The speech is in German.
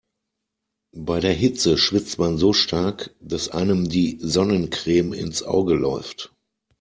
Bei der Hitze schwitzt man so stark, dass einem die Sonnencreme ins Auge läuft.